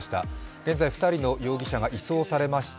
現在２人の容疑者が移送されました